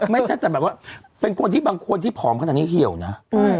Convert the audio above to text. ไม่ใช่แต่แบบว่าเป็นคนที่บางคนที่ผอมขนาดนี้เหี่ยวนะ